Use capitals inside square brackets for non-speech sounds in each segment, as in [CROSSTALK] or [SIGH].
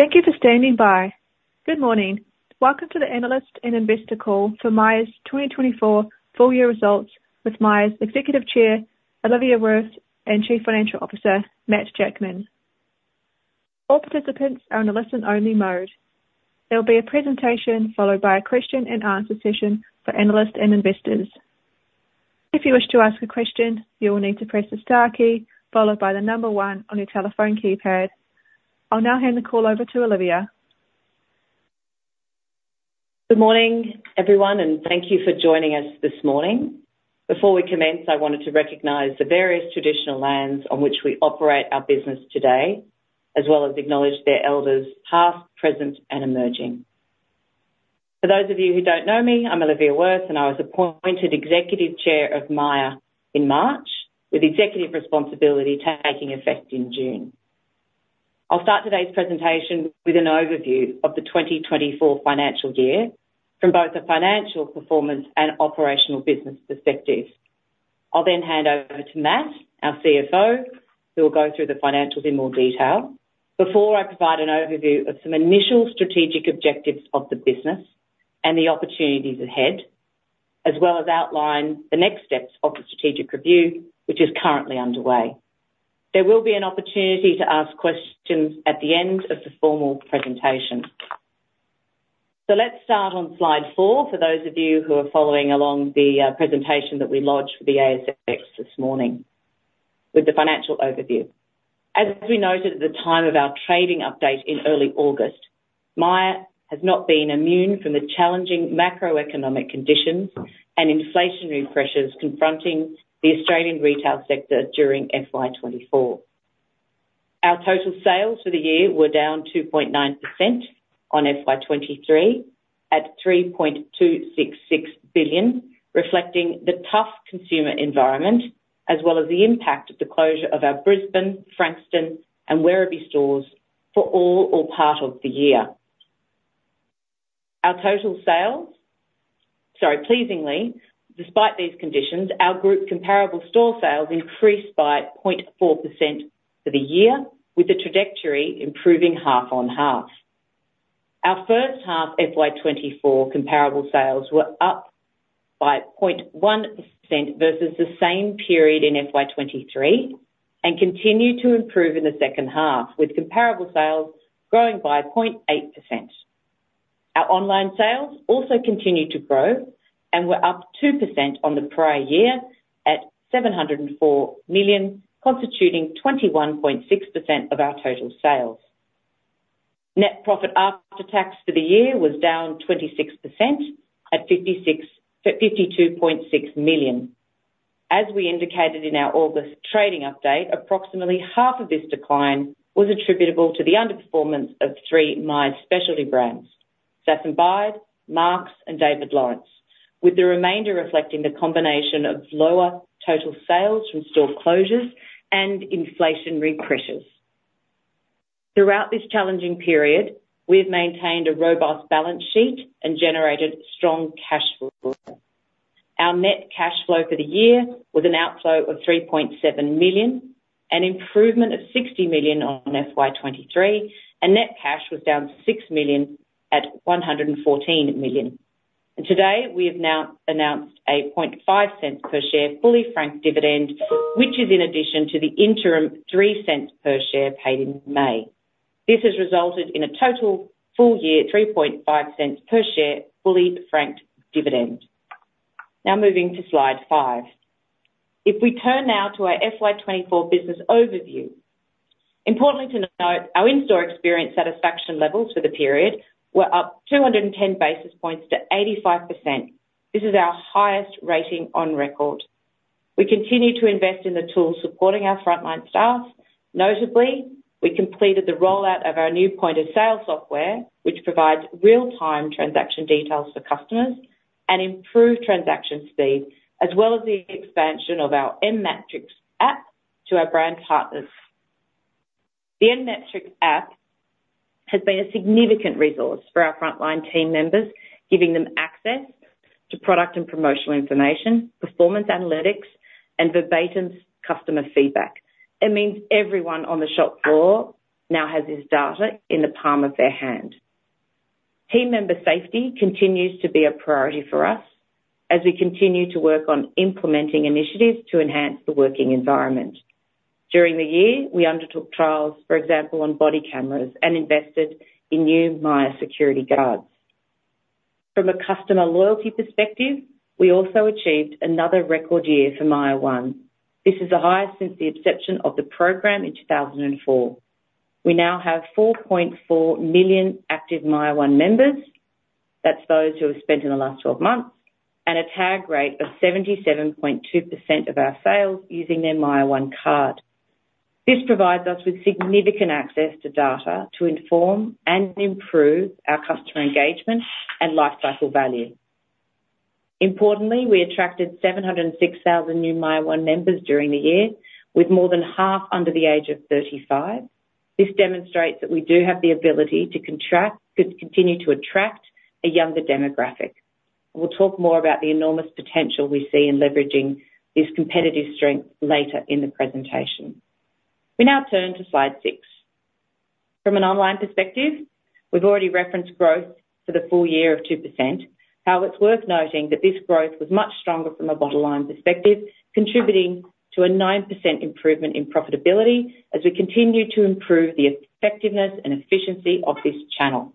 Thank you for standing by. Good morning. Welcome to the analyst and investor call for Myer's twenty twenty-four full year results with Myer's Executive Chair, Olivia Wirth, and Chief Financial Officer, Matt Jackman. All participants are on a listen-only mode. There will be a presentation followed by a question-and-answer session for analysts and investors. If you wish to ask a question, you will need to press the star key followed by the number one on your telephone keypad. I'll now hand the call over to Olivia. Good morning, everyone, and thank you for joining us this morning. Before we commence, I wanted to recognize the various traditional lands on which we operate our business today, as well as acknowledge their elders, past, present, and emerging. For those of you who don't know me, I'm Olivia Wirth, and I was appointed Executive Chair of Myer in March, with executive responsibility taking effect in June. I'll start today's presentation with an overview of the twenty twenty-four financial year from both a financial performance and operational business perspective. I'll then hand over to Matt, our CFO, who will go through the financials in more detail before I provide an overview of some initial strategic objectives of the business and the opportunities ahead, as well as outline the next steps of the strategic review, which is currently underway. There will be an opportunity to ask questions at the end of the formal presentation. So let's start on slide four, for those of you who are following along the presentation that we lodged for the ASX this morning with the financial overview. As we noted at the time of our trading update in early August, Myer has not been immune from the challenging macroeconomic conditions and inflationary pressures confronting the Australian retail sector during FY 2024. Our total sales for the year were down 2.9% on FY 2023, at 3.266 billion, reflecting the tough consumer environment, as well as the impact of the closure of our Brisbane, Frankston, and Werribee stores for all or part of the year. Our total sales... Sorry, pleasingly, despite these conditions, our group comparable store sales increased by 0.4% for the year, with the trajectory improving half on half. Our first half FY 2024 comparable sales were up by 0.1% versus the same period in FY 2023 and continued to improve in the second half, with comparable sales growing by 0.8%. Our online sales also continued to grow and were up 2% on the prior year at 704 million, constituting 21.6% of our total sales. Net profit after tax for the year was down 26% at 52.6 million. As we indicated in our August trading update, approximately half of this decline was attributable to the underperformance of three Myer specialty brands: Sass & Bide, Marcs, and David Lawrence, with the remainder reflecting the combination of lower total sales from store closures and inflationary pressures. Throughout this challenging period, we've maintained a robust balance sheet and generated strong cash flow. Our net cash flow for the year was an outflow of 3.7 million, an improvement of 60 million on FY 2023, and net cash was down 6 million at 114 million. And today, we have now announced a 0.005 per share, fully franked dividend, which is in addition to the interim 0.03 per share paid in May. This has resulted in a total full-year 0.035 per share, fully franked dividend. Now moving to Slide five. If we turn now to our FY twenty-four business overview, importantly to note, our in-store experience satisfaction levels for the period were up two hundred and ten basis points to 85%. This is our highest rating on record. We continue to invest in the tools supporting our frontline staff. Notably, we completed the rollout of our new point-of-sale software, which provides real-time transaction details for customers and improved transaction speed, as well as the expansion of our M-Metrics app to our brand partners. The M-Metrics app has been a significant resource for our frontline team members, giving them access to product and promotional information, performance analytics, and verbatim customer feedback. It means everyone on the shop floor now has this data in the palm of their hand. Team member safety continues to be a priority for us as we continue to work on implementing initiatives to enhance the working environment. During the year, we undertook trials, for example, on body cameras and invested in new Myer security guards. From a customer loyalty perspective, we also achieved another record year for Myer One. This is the highest since the inception of the program in 2004. We now have 4.4 million active Myer One members. That's those who have spent in the last 12 months, and a tag rate of 77.2% of our sales using their Myer One card. This provides us with significant access to data to inform and improve our customer engagement and lifecycle value. Importantly, we attracted 706,000 new Myer One members during the year, with more than half under the age of 35. This demonstrates that we do have the ability to continue to attract a younger demographic... We'll talk more about the enormous potential we see in leveraging this competitive strength later in the presentation. We now turn to slide 6. From an online perspective, we've already referenced growth for the full year of 2%. However, it's worth noting that this growth was much stronger from a bottom line perspective, contributing to a 9% improvement in profitability as we continue to improve the effectiveness and efficiency of this channel.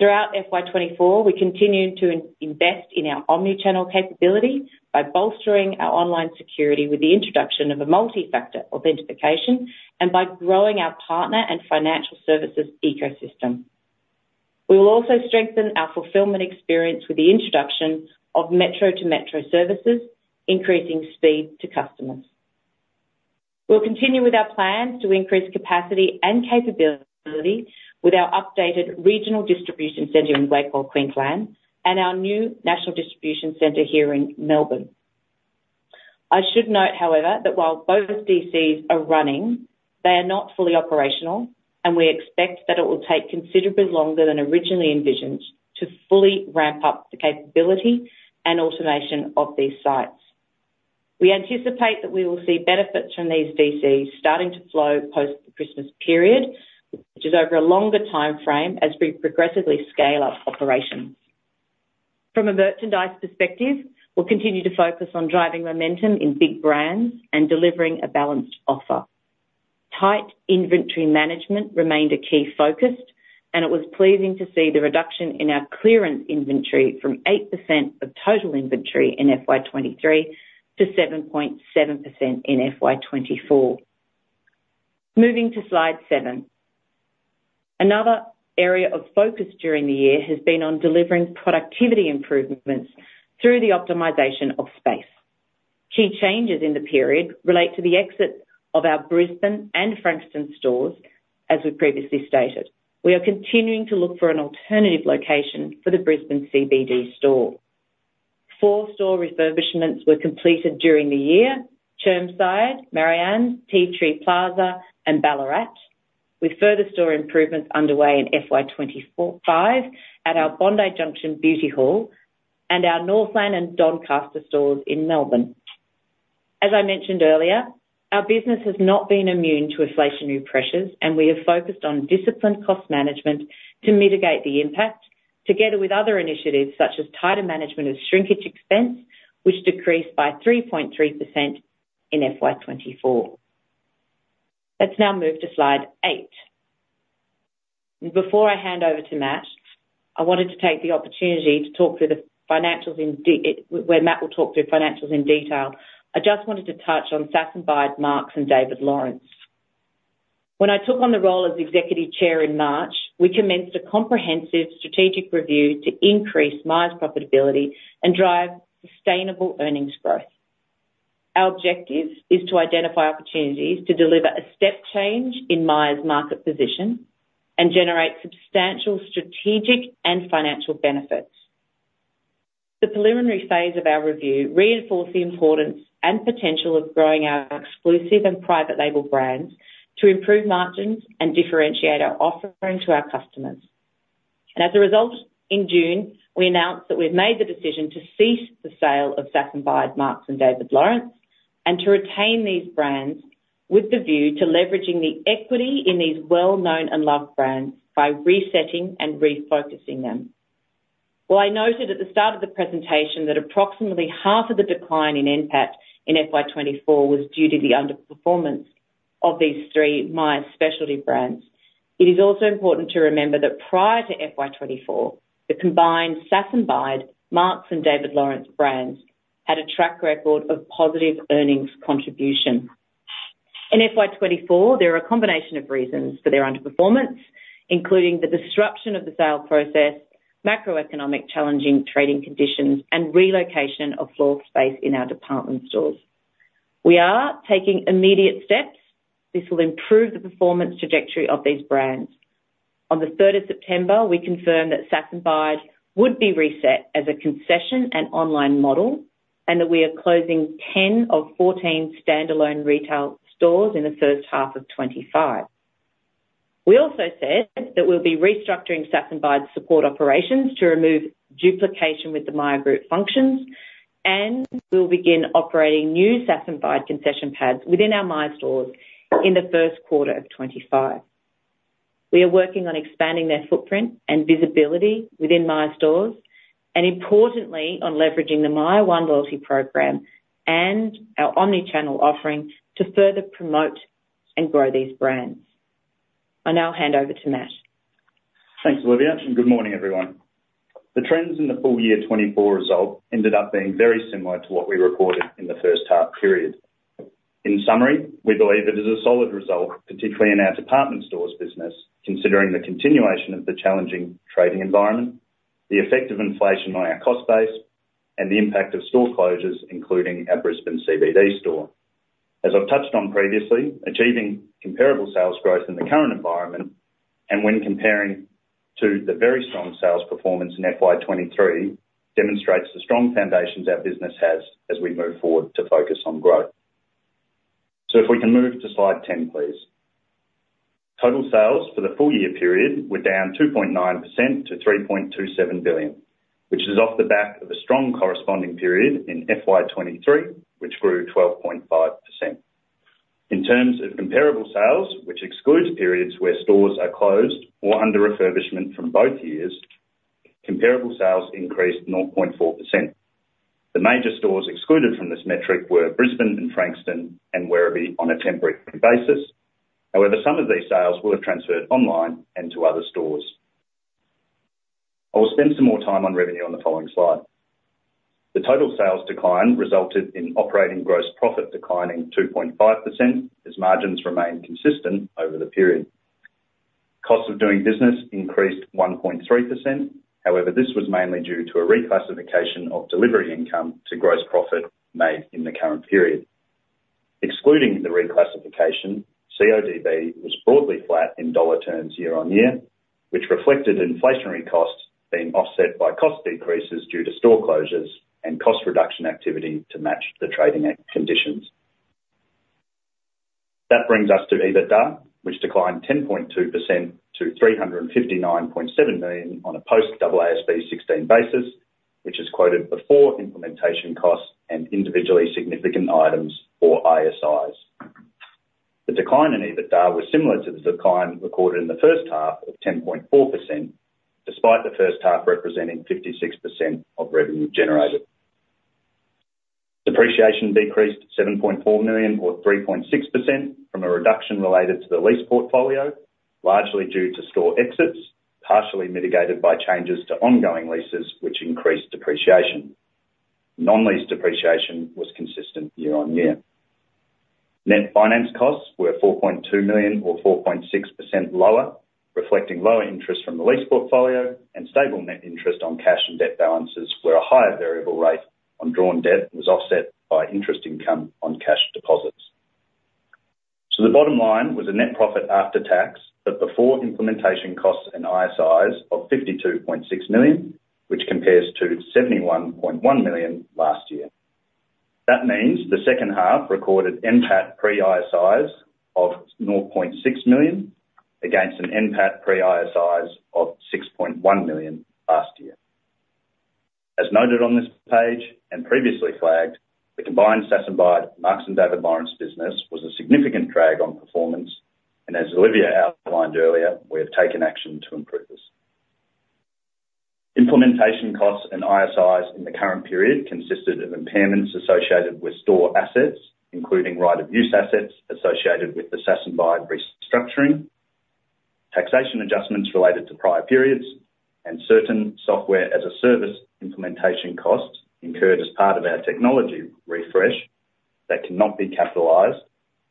Throughout FY 2024, we continued to invest in our omni-channel capability by bolstering our online security with the introduction of a multi-factor authentication and by growing our partner and financial services ecosystem. We will also strengthen our fulfillment experience with the introduction of metro-to-metro services, increasing speed to customers. We'll continue with our plans to increase capacity and capability with our updated regional distribution center in Wacol, Queensland, and our new national distribution center here in Melbourne. I should note, however, that while both DCs are running, they are not fully operational, and we expect that it will take considerably longer than originally envisioned to fully ramp up the capability and automation of these sites. We anticipate that we will see benefits from these DCs starting to flow post the Christmas period, which is over a longer timeframe as we progressively scale up operations. From a merchandise perspective, we'll continue to focus on driving momentum in big brands and delivering a balanced offer. Tight inventory management remained a key focus, and it was pleasing to see the reduction in our clearance inventory from 8% of total inventory in FY 2023 to 7.7% in FY 2024. Moving to slide seven. Another area of focus during the year has been on delivering productivity improvements through the optimization of space. Key changes in the period relate to the exit of our Brisbane and Frankston stores, as we previously stated. We are continuing to look for an alternative location for the Brisbane CBD store. Four store refurbishments were completed during the year: Chermside, Marion, Tea Tree Plaza, and Ballarat, with further store improvements underway in FY 2024-25 at our Bondi Junction Beauty Hall and our Northland and Doncaster stores in Melbourne. As I mentioned earlier, our business has not been immune to inflationary pressures, and we are focused on disciplined cost management to mitigate the impact, together with other initiatives such as tighter management of shrinkage expense, which decreased by 3.3% in FY 2024. Let's now move to slide eight. Before I hand over to Matt, I wanted to take the opportunity to talk through the financials, where Matt will talk through financials in detail. I just wanted to touch on Sass & Bide, Marcs and David Lawrence. When I took on the role as Executive Chair in March, we commenced a comprehensive strategic review to increase Myer's profitability and drive sustainable earnings growth. Our objective is to identify opportunities to deliver a step change in Myer's market position and generate substantial strategic and financial benefits. The preliminary phase of our review reinforced the importance and potential of growing our exclusive and private label brands to improve margins and differentiate our offering to our customers. As a result, in June, we announced that we've made the decision to cease the sale of Sass & Bide, Marcs, and David Lawrence, and to retain these brands with the view to leveraging the equity in these well-known and loved brands by resetting and refocusing them. While I noted at the start of the presentation that approximately half of the decline in NPAT in FY 2024 was due to the underperformance of these three Myer specialty brands, it is also important to remember that prior to FY 2024, the combined Sass & Bide, Marcs, and David Lawrence brands had a track record of positive earnings contribution. In FY 2024, there are a combination of reasons for their underperformance, including the disruption of the sale process, macroeconomic challenging trading conditions, and relocation of floor space in our department stores. We are taking immediate steps. This will improve the performance trajectory of these brands. On the third of September, we confirmed that Sass & Bide would be reset as a concession and online model, and that we are closing ten of fourteen standalone retail stores in the first half of 2025. We also said that we'll be restructuring Sass & Bide's support operations to remove duplication with the Myer group functions, and we'll begin operating new Sass & Bide concession pads within our Myer stores in the Q1 of 2025. We are working on expanding their footprint and visibility within Myer stores, and importantly, on leveraging the Myer One loyalty program and our omni-channel offering to further promote and grow these brands. I now hand over to Matt. Thanks, Olivia, and good morning, everyone. The trends in the full year 2024 result ended up being very similar to what we recorded in the first half period. In summary, we believe it is a solid result, particularly in our department stores business, considering the continuation of the challenging trading environment, the effect of inflation on our cost base, and the impact of store closures, including our Brisbane CBD store. As I've touched on previously, achieving comparable sales growth in the current environment, and when comparing to the very strong sales performance in FY 2023, demonstrates the strong foundations our business has as we move forward to focus on growth. So if we can move to slide 10, please. Total sales for the full year period were down 2.9% to 3.27 billion, which is off the back of a strong corresponding period in FY 2023, which grew 12.5%. In terms of comparable sales, which excludes periods where stores are closed or under refurbishment from both years, comparable sales increased 9.4%. The major stores excluded from this metric were Brisbane and Frankston and Werribee on a temporary basis. However, some of these sales will have transferred online and to other stores. I will spend some more time on revenue on the following slide. The total sales decline resulted in operating gross profit declining 2.5%, as margins remained consistent over the period. Cost of doing business increased 1.3%. However, this was mainly due to a reclassification of delivery income to gross profit made in the current period. Excluding the reclassification, CODB was broadly flat in dollar terms year-on-year, which reflected inflationary costs being offset by cost decreases due to store closures and cost reduction activity to match the trading conditions. That brings us to EBITDA, which declined 10.2% to 359.7 million on a post AASB 16 basis, which is quoted before implementation costs and individually significant items or ISIs. The decline in EBITDA was similar to the decline recorded in the first half of 10.4%, despite the first half representing 56% of revenue generated. Depreciation decreased 7.4 million or 3.6% from a reduction related to the lease portfolio, largely due to store exits, partially mitigated by changes to ongoing leases, which increased depreciation. Non-lease depreciation was consistent year-on-year. Net finance costs were 4.2 million or 4.6% lower, reflecting lower interest from the lease portfolio and stable net interest on cash and debt balances, where a higher variable rate on drawn debt was offset by interest income on cash deposits. So the bottom line was a net profit after tax, but before implementation costs and ISIs of 52.6 million, which compares to 71.1 million last year. That means the second half recorded NPAT pre-ISIs of 0.6 million, against an NPAT pre-ISIs of 6.1 million last year. As noted on this page and previously flagged, the combined Sass & Bide, Marcs & David Lawrence business was a significant drag on performance, and as Olivia outlined earlier, we have taken action to improve this. Implementation costs and ISIs in the current period consisted of impairments associated with store assets, including right-of-use assets associated with the Sass & Bide restructuring, taxation adjustments related to prior periods, and certain software-as-a-service implementation costs incurred as part of our technology refresh that cannot be capitalized,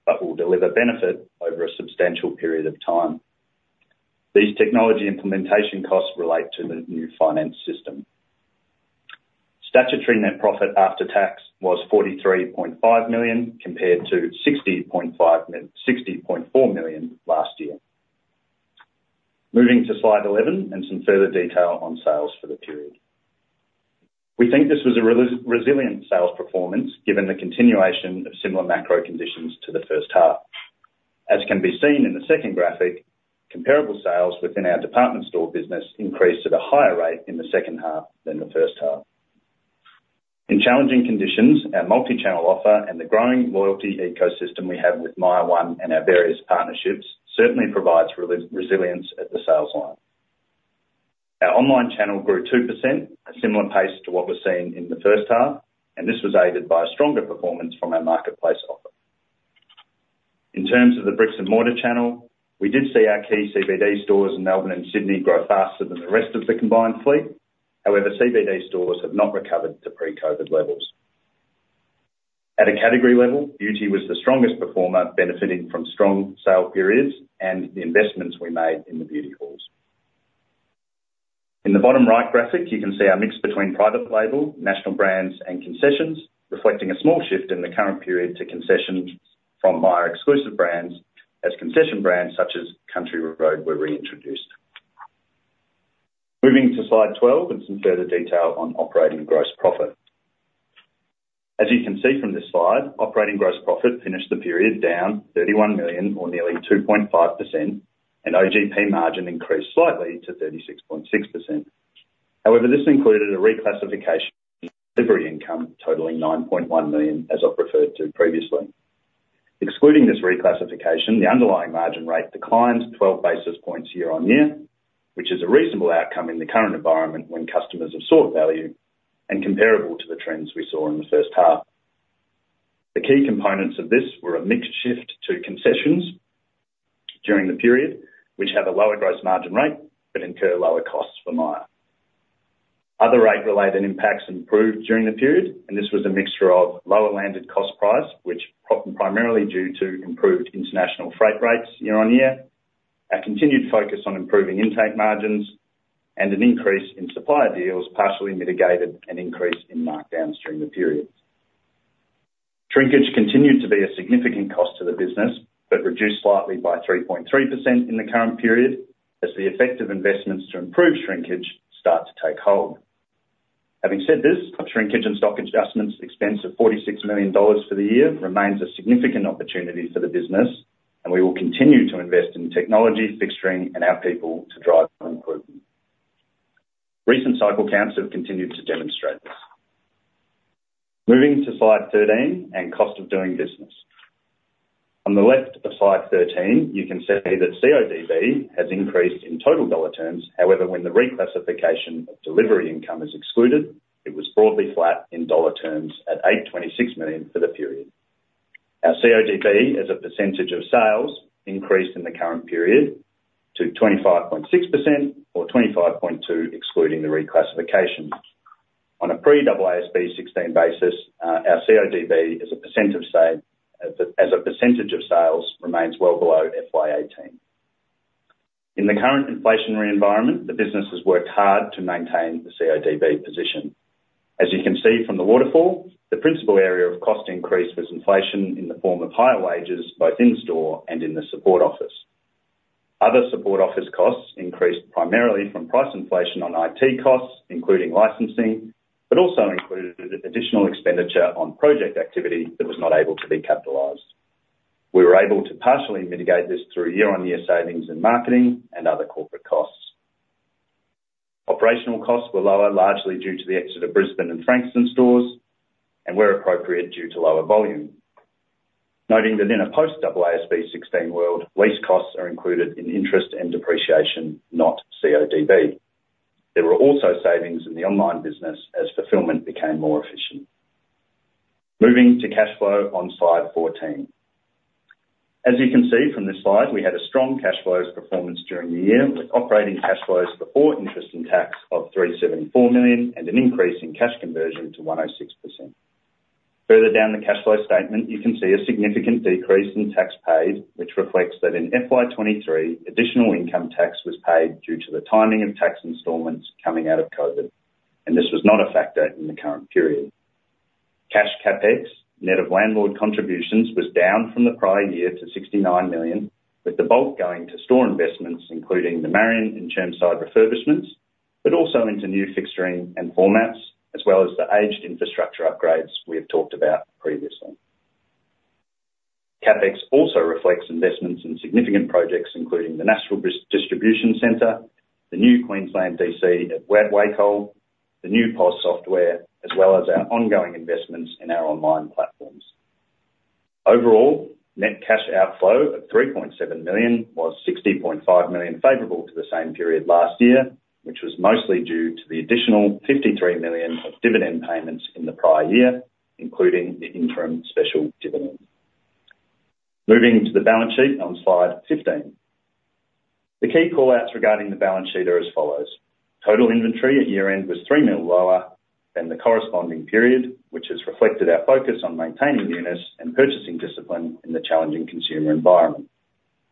but will deliver benefit over a substantial period of time. These technology implementation costs relate to the new finance system. Statutory net profit after tax was 43.5 million, compared to 60.4 million last year. Moving to Slide Eleven and some further detail on sales for the period. We think this was a resilient sales performance, given the continuation of similar macro conditions to the first half. As can be seen in the second graphic, comparable sales within our department store business increased at a higher rate in the second half than the first half. In challenging conditions, our multi-channel offer and the growing loyalty ecosystem we have with Myer One and our various partnerships certainly provides resilience at the sales line. Our online channel grew 2%, a similar pace to what was seen in the first half, and this was aided by a stronger performance from our marketplace offer. In terms of the bricks and mortar channel, we did see our key CBD stores in Melbourne and Sydney grow faster than the rest of the combined fleet. However, CBD stores have not recovered to pre-COVID levels. At a category level, beauty was the strongest performer, benefiting from strong sale periods and the investments we made in the beauty halls. In the bottom right graphic, you can see our mix between private label, national brands, and concessions, reflecting a small shift in the current period to concessions from Myer exclusive brands, as concession brands such as Country Road were reintroduced. Moving to Slide 12 and some further detail on operating gross profit. As you can see from this slide, operating gross profit finished the period down 31 million or nearly 2.5%, and OGP margin increased slightly to 36.6%. However, this included a reclassification of delivery income totaling 9.1 million, as I've referred to previously. Excluding this reclassification, the underlying margin rate declined twelve basis points year-on-year, which is a reasonable outcome in the current environment when customers have sought value and comparable to the trends we saw in the first half. The key components of this were a mixed shift to concessions during the period, which have a lower gross margin rate, but incur lower costs for Myer. Other rate-related impacts improved during the period, and this was a mixture of lower landed cost price, which primarily due to improved international freight rates year-on-year, our continued focus on improving intake margins, and an increase in supplier deals, partially mitigated an increase in markdowns during the period. Shrinkage continued to be a significant cost to the business, but reduced slightly by 3.3% in the current period, as the effective investments to improve shrinkage start to take hold. Having said this, our shrinkage and stock adjustments expense of 46 million dollars for the year remains a significant opportunity for the business, and we will continue to invest in technology, fixturing, and our people to drive improvement. Recent cycle counts have continued to demonstrate this. Moving to Slide 13 and cost of doing business. On the left of Slide 13, you can see that CODB has increased in total dollar terms. However, when the reclassification of delivery income is excluded, it was broadly flat in dollar terms at 826 million for the period. Our CODB, as a percentage of sales, increased in the current period to 25.6%, or 25.2%, excluding the reclassification. On a pre-AASB 16 basis, our CODB as a percent of sale, as a percentage of sales, remains well below FY eighteen. In the current inflationary environment, the business has worked hard to maintain the CODB position. As you can see from the waterfall, the principal area of cost increase was inflation in the form of higher wages, both in-store and in the support office. Other support office costs increased primarily from price inflation on IT costs, including licensing, but also included additional expenditure on project activity that was not able to be capitalized. We were able to partially mitigate this through year-on-year savings in marketing and other corporate costs. Operational costs were lower, largely due to the exit of Brisbane and Frankston stores, and where appropriate, due to lower volume. Noting that in a post AASB 16 world, lease costs are included in interest and depreciation, not CODB. There were also savings in the online business as fulfillment became more efficient. Moving to cash flow on Slide 14. As you can see from this slide, we had a strong cash flows performance during the year, with operating cash flows before interest and tax of 374 million, and an increase in cash conversion to 106%. Further down the cash flow statement, you can see a significant decrease in tax paid, which reflects that in FY 2023, additional income tax was paid due to the timing of tax installments coming out of COVID, and this was not a factor in the current period. Cash CapEx, net of landlord contributions, was down from the prior year to 69 million, with the bulk going to store investments, including the Marion and Chermside refurbishments, but also into new fixturing and formats, as well as the aged infrastructure upgrades we have talked about previously. CapEx also reflects investments in significant projects, including the National Distribution Center, the new Queensland DC at Wacol, the new POS software, as well as our ongoing investments in our online platforms. Overall, net cash outflow of 3.7 million was 60.5 million favorable to the same period last year, which was mostly due to the additional 53 million of dividend payments in the prior year, including the interim special dividend. Moving to the balance sheet on Slide 15. The key call-outs regarding the balance sheet are as follows: Total inventory at year-end was 3 million lower than the corresponding period, which has reflected our focus on maintaining newness and purchasing discipline in the challenging consumer environment.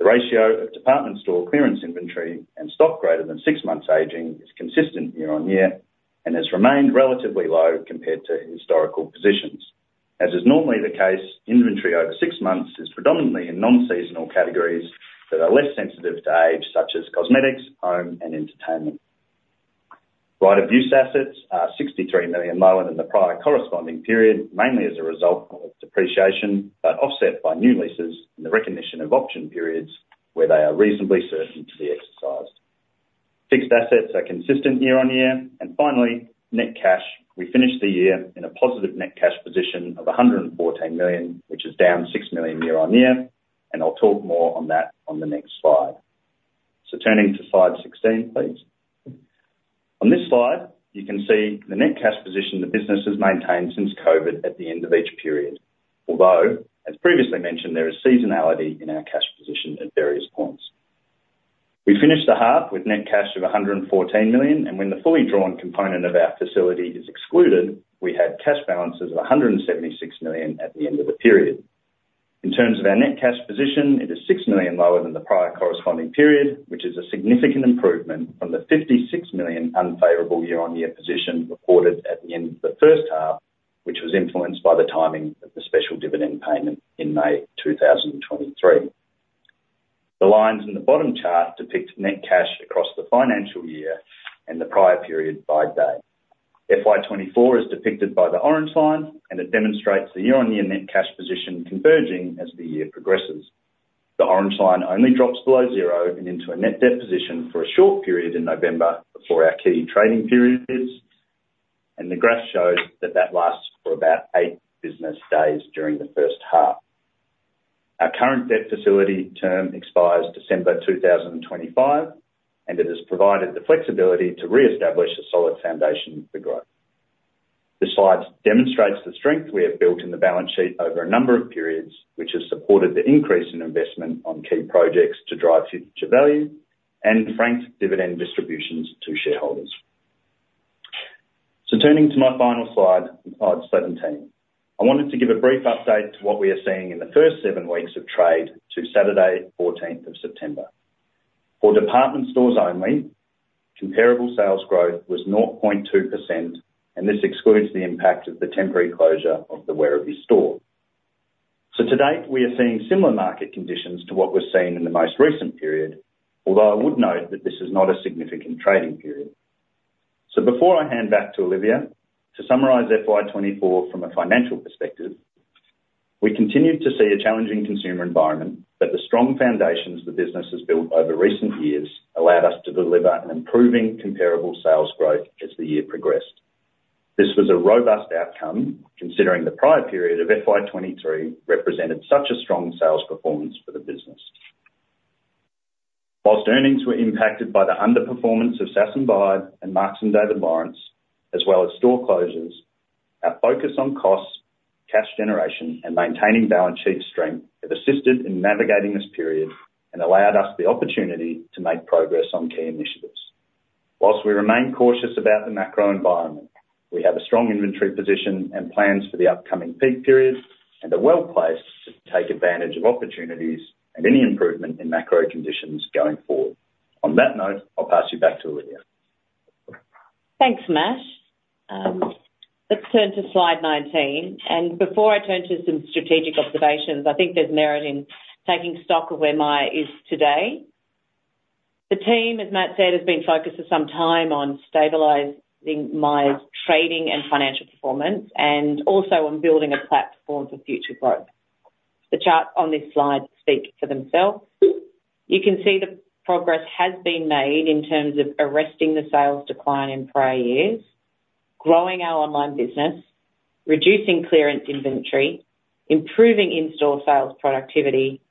The ratio of department store clearance inventory and stock greater than six months aging is consistent year-on-year, and has remained relatively low compared to historical positions. As is normally the case, inventory over six months is predominantly in non-seasonal categories that are less sensitive to age, such as cosmetics, home, and entertainment. Right-of-use assets are 63 million lower than the prior corresponding period, mainly as a result of depreciation, but offset by new leases and the recognition of option periods where they are reasonably certain to be exercised. Fixed assets are consistent year-on-year, and finally, net cash, we finished the year in a positive net cash position of 114 million, which is down 6 million year-on-year, and I'll talk more on that on the next slide. So turning to Slide 16, please. On this slide, you can see the net cash position the business has maintained since COVID at the end of each period, although, as previously mentioned, there is seasonality in our cash position at various points. We finished the half with net cash of AUD 114 million, and when the fully drawn component of our facility is excluded, we had cash balances of AUD 176 million at the end of the period. In terms of our net cash position, it is AUD 6 million lower than the prior corresponding period, which is a significant improvement from the AUD 56 million unfavorable year-on-year position reported at the end of the first half, which was influenced by the timing of the special dividend payment in May 2023. The lines in the bottom chart depict net cash across the financial year and the prior period by day. FY 24 is depicted by the orange line, and it demonstrates the year-on-year net cash position converging as the year progresses. The orange line only drops below zero and into a net debt position for a short period in November before our key trading periods, and the graph shows that that lasts for about eight business days during the first half. Our current debt facility term expires December two thousand and twenty-five, and it has provided the flexibility to reestablish a solid foundation for growth. The slide demonstrates the strength we have built in the balance sheet over a number of periods, which has supported the increase in investment on key projects to drive future value and franked dividend distributions to shareholders. Turning to my final slide, Slide 17. I wanted to give a brief update to what we are seeing in the first seven weeks of trade to Saturday, fourteenth of September. For department stores only, comparable sales growth was 0.2%, and this excludes the impact of the temporary closure of the Werribee store. So to date, we are seeing similar market conditions to what was seen in the most recent period, although I would note that this is not a significant trading period. So before I hand back to Olivia, to summarize FY 2024 from a financial perspective, we continued to see a challenging consumer environment, but the strong foundations the business has built over recent years allowed us to deliver an improving comparable sales growth as the year progressed. This was a robust outcome, considering the prior period of FY 2023 represented such a strong sales performance for the business. While earnings were impacted by the underperformance of Sass & Bide, and Marcs and David Lawrence, as well as store closures, our focus on costs, cash generation, and maintaining balance sheet strength, have assisted in navigating this period and allowed us the opportunity to make progress on key initiatives. While we remain cautious about the macro environment, we have a strong inventory position and plans for the upcoming peak period, and are well-placed to take advantage of opportunities and any improvement in macro conditions going forward. On that note, I'll pass you back to Olivia. Thanks, Matt. Let's turn to slide nineteen, and before I turn to some strategic observations, I think there's merit in taking stock of where Myer is today. The team, as Matt said, has been focused for some time on stabilizing Myer's trading and financial performance, and also on building a platform for future growth. The charts on this slide speak for themselves. You can see the progress has been made in terms of arresting the sales decline in prior years, growing our online business, reducing clearance inventory, improving in-store sales productivity,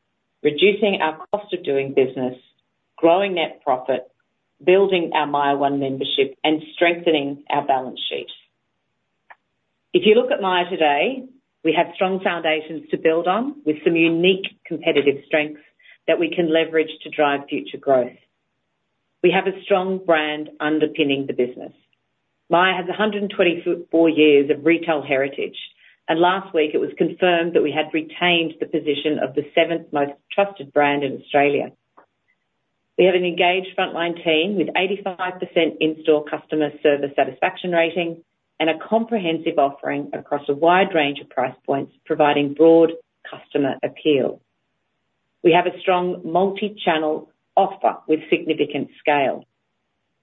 reducing our cost of doing business, growing net profit, building our Myer One membership, and strengthening our balance sheet. If you look at Myer today, we have strong foundations to build on, with some unique competitive strengths that we can leverage to drive future growth. We have a strong brand underpinning the business. Myer has 124 years of retail heritage, and last week it was confirmed that we had retained the position of the seventh most trusted brand in Australia. We have an engaged frontline team with 85% in-store customer service satisfaction rating, and a comprehensive offering across a wide range of price points, providing broad customer appeal. We have a strong multi-channel offer with significant scale.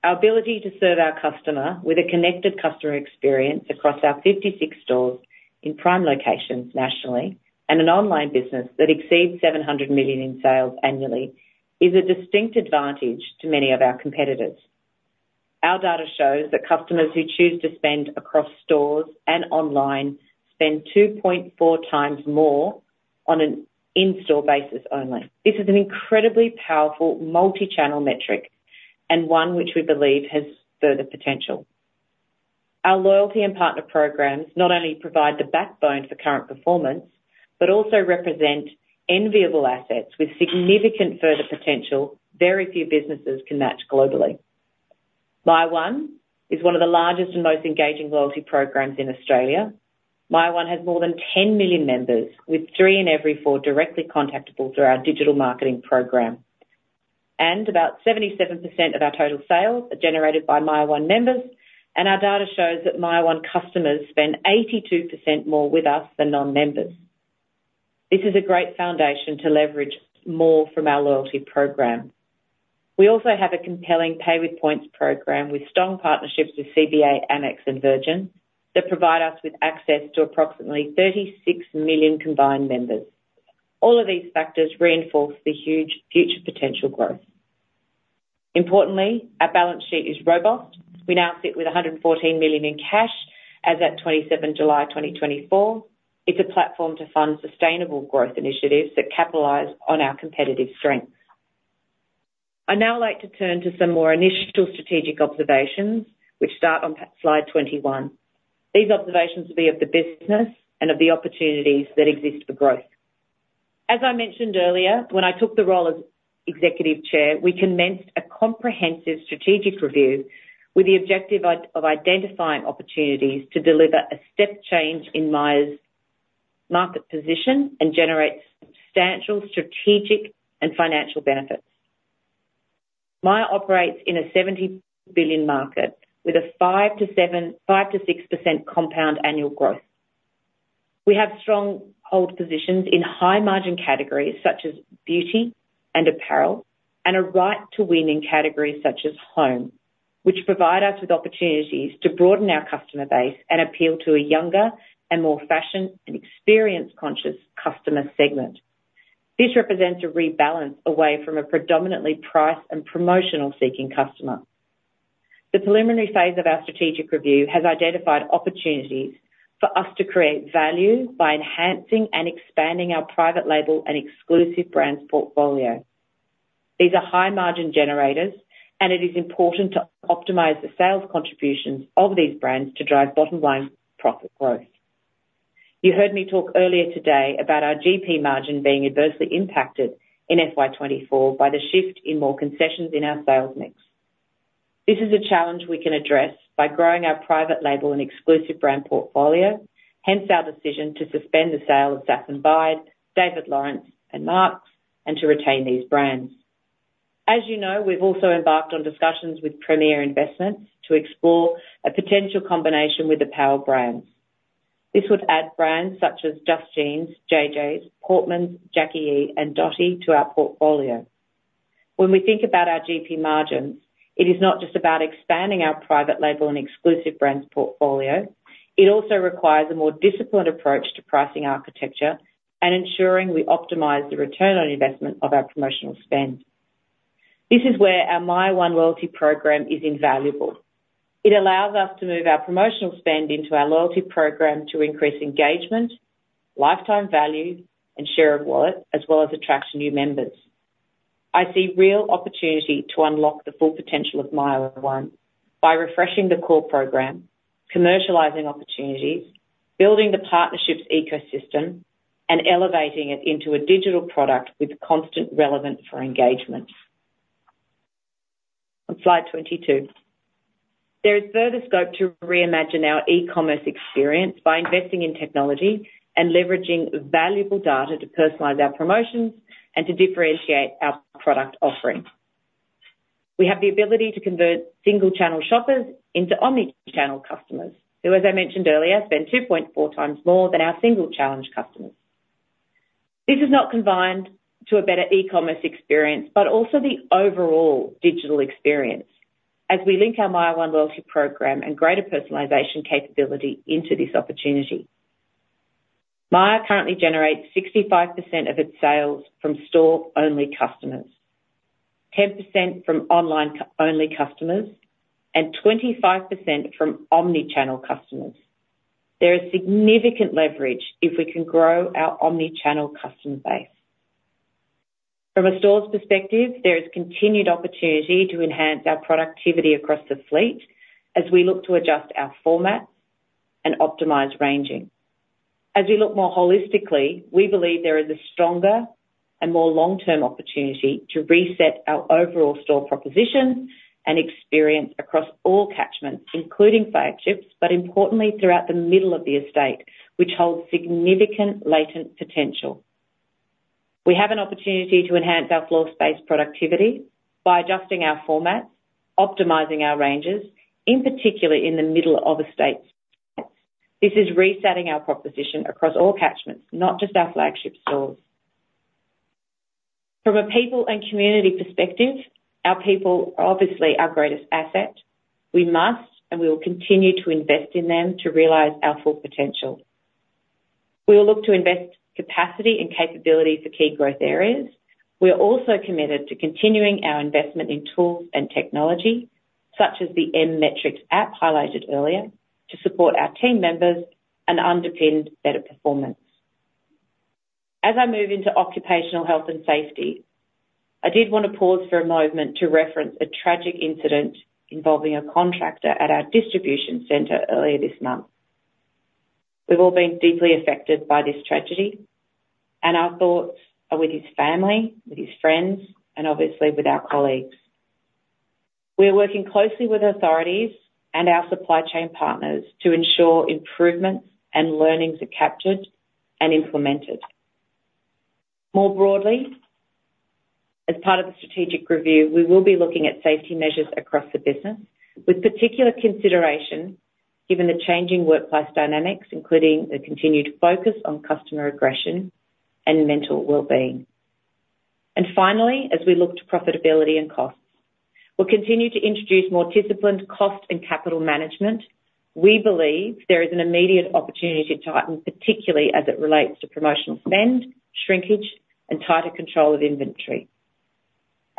Our ability to serve our customer with a connected customer experience across our 56 stores in prime locations nationally, and an online business that exceeds 700 million in sales annually, is a distinct advantage to many of our competitors. Our data shows that customers who choose to spend across stores and online spend 2.4 times more on an in-store basis only. This is an incredibly powerful multi-channel metric, and one which we believe has further potential. Our loyalty and partner programs not only provide the backbone for current performance, but also represent enviable assets with significant further potential very few businesses can match globally. Myer One is one of the largest and most engaging loyalty programs in Australia. Myer One has more than 10 million members, with three in every four directly contactable through our digital marketing program, and about 77% of our total sales are generated by Myer One members, and our data shows that Myer One customers spend 82% more with us than non-members. This is a great foundation to leverage more from our loyalty program. We also have a compelling Pay with Points program, with strong partnerships with CBA, Amex, and Virgin, that provide us with access to approximately 36 million combined members. All of these factors reinforce the huge future potential growth. Importantly, our balance sheet is robust. We now sit with 114 million in cash as at 27 July 2024. It's a platform to fund sustainable growth initiatives that capitalize on our competitive strengths. I'd now like to turn to some more initial strategic observations, which start on slide 21. These observations will be of the business and of the opportunities that exist for growth. As I mentioned earlier, when I took the role as Executive Chair, we commenced a comprehensive strategic review with the objective of identifying opportunities to deliver a step change in Myer's market position and generate substantial strategic and financial benefits. Myer operates in a 70 billion market, with a 5%-6% compound annual growth. We have strong hold positions in high-margin categories, such as beauty and apparel, and a right to win in categories such as home, which provide us with opportunities to broaden our customer base and appeal to a younger and more fashion and experience-conscious customer segment. This represents a rebalance away from a predominantly price and promotional-seeking customer. The preliminary phase of our strategic review has identified opportunities for us to create value by enhancing and expanding our private label and exclusive brands portfolio. These are high-margin generators, and it is important to optimize the sales contributions of these brands to drive bottom-line profit growth. You heard me talk earlier today about our GP margin being adversely impacted in FY 2024 by the shift in more concessions in our sales mix. This is a challenge we can address by growing our private label and exclusive brand portfolio, hence our decision to suspend the sale of Sass & Bide, David Lawrence, and Marcs, and to retain these brands. As you know, we've also embarked on discussions with Premier Investments to explore a potential combination with the Power Brands. This would add brands such as Just Jeans, JJ, Portmans, Jacqui E, and Dotti to our portfolio. When we think about our GP margins, it is not just about expanding our private label and exclusive brands portfolio, it also requires a more disciplined approach to pricing architecture and ensuring we optimize the return on investment of our promotional spend. This is where our Myer One loyalty program is invaluable. It allows us to move our promotional spend into our loyalty program to increase engagement, lifetime value, and share of wallet, as well as attract new members. I see real opportunity to unlock the full potential of Myer One by refreshing the core program, commercializing opportunities, building the partnerships ecosystem, and elevating it into a digital product with constant relevance for engagement. On Slide 22. There is further scope to reimagine our e-commerce experience by investing in technology and leveraging valuable data to personalize our promotions and to differentiate our product offering. We have the ability to convert single-channel shoppers into omni-channel customers, who, as I mentioned earlier, spend 2.4 times more than our single-channel customers. This is not confined to a better e-commerce experience, but also the overall digital experience as we link our Myer One loyalty program and greater personalization capability into this opportunity. Myer currently generates 65% of its sales from store-only customers, 10% from online-only customers, and 25% from omni-channel customers. There is significant leverage if we can grow our omni-channel customer base. From a store's perspective, there is continued opportunity to enhance our productivity across the fleet as we look to adjust our formats and optimize ranging. As we look more holistically, we believe there is a stronger and more long-term opportunity to reset our overall store proposition and experience across all catchments, including flagships, but importantly, throughout the middle of the estate, which holds significant latent potential. We have an opportunity to enhance our floor space productivity by adjusting our formats, optimizing our ranges, in particular, in the middle of estates. This is resetting our proposition across all catchments, not just our flagship stores. From a people and community perspective, our people are obviously our greatest asset. We must, and we will continue to invest in them to realize our full potential. We will look to invest capacity and capability for key growth areas. We are also committed to continuing our investment in tools and technology, such as the M-Metrics app highlighted earlier, to support our team members and underpin better performance. As I move into occupational health and safety, I did want to pause for a moment to reference a tragic incident involving a contractor at our distribution center earlier this month. We've all been deeply affected by this tragedy, and our thoughts are with his family, with his friends, and obviously with our colleagues. We are working closely with authorities and our supply chain partners to ensure improvements and learnings are captured and implemented. More broadly, as part of the strategic review, we will be looking at safety measures across the business with particular consideration, given the changing workplace dynamics, including the continued focus on customer aggression and mental well-being. And finally, as we look to profitability and costs, we'll continue to introduce more disciplined cost and capital management. We believe there is an immediate opportunity to tighten, particularly as it relates to promotional spend, shrinkage, and tighter control of inventory.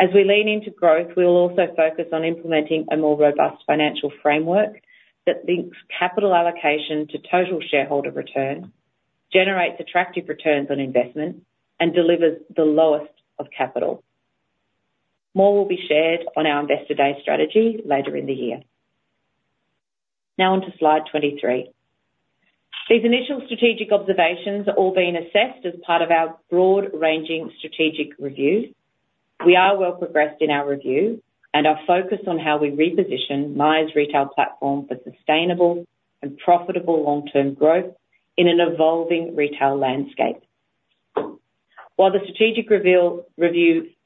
As we lean into growth, we will also focus on implementing a more robust financial framework that links capital allocation to total shareholder return, generates attractive returns on investment, and delivers the lowest of capital. More will be shared on our Investor Day strategy later in the year. Now on to Slide twenty-three. These initial strategic observations are all being assessed as part of our broad-ranging strategic review. We are well progressed in our review and are focused on how we reposition Myer's retail platform for sustainable and profitable long-term growth in an evolving retail landscape. While the strategic review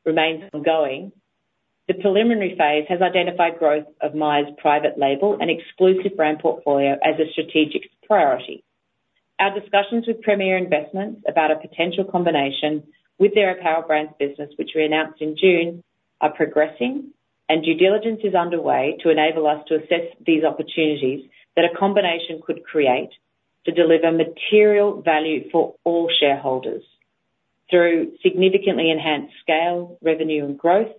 remains ongoing, the preliminary phase has identified growth of Myer's private label and exclusive brand portfolio as a strategic priority. Our discussions with Premier Investments about a potential combination with their apparel brands business, which we announced in June, are progressing, and due diligence is underway to enable us to assess these opportunities that a combination could create to deliver material value for all shareholders through significantly enhanced scale, revenue, and growth,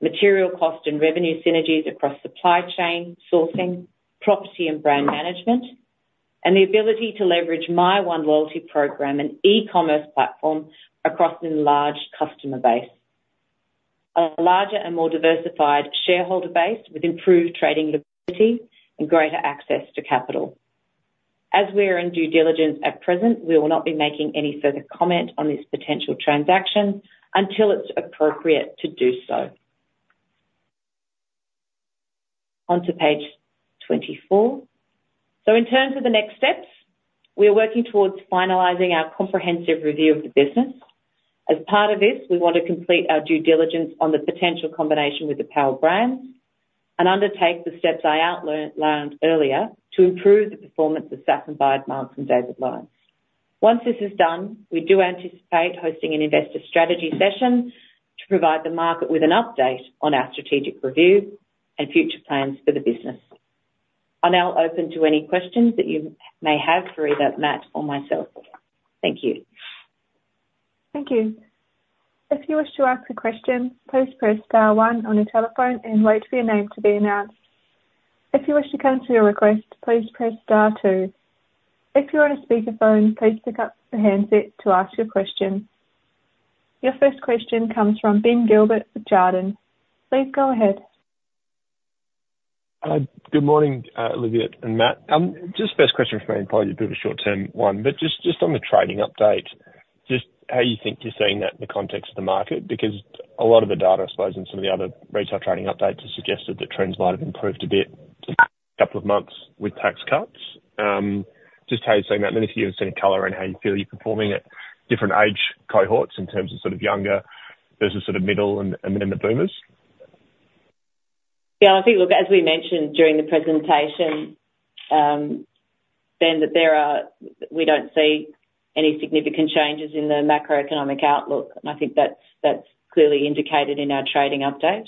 material cost and revenue synergies across supply chain, sourcing, property, and brand management, and the ability to leverage Myer One loyalty program and e-commerce platform across an enlarged customer base. A larger and more diversified shareholder base with improved trading liquidity and greater access to capital. As we are in due diligence at present, we will not be making any further comment on this potential transaction until it's appropriate to do so. Now onto page twenty-four. In terms of the next steps, we are working towards finalizing our comprehensive review of the business. As part of this, we want to complete our due diligence on the potential combination with apparel brands, and undertake the steps I learned earlier to improve the performance of Sass & Bide, Marcs and David Lawrence. Once this is done, we do anticipate hosting an investor strategy session to provide the market with an update on our strategic review and future plans for the business. I'll now open to any questions that you may have for either Matt or myself. Thank you. Thank you. If you wish to ask a question, please press star one on your telephone and wait for your name to be announced. If you wish to cancel your request, please press star two. If you're on a speakerphone, please pick up the handset to ask your question. Your first question comes from Ben Gilbert with Jarden. Please go ahead. Good morning, Olivia and Matt. Just first question from me, and probably a bit of a short-term one, but just on the trading update, just how you think you're seeing that in the context of the market? Because a lot of the data, I suppose, and some of the other retail trading updates have suggested that trends might have improved a bit couple of months with tax cuts. Just how are you seeing that, and if you have seen color in how you feel you're performing at different age cohorts in terms of sort of younger versus sort of middle and, and then the boomers? Yeah, I think, look, as we mentioned during the presentation, Ben, that we don't see any significant changes in the macroeconomic outlook. And I think that's clearly indicated in our trading update.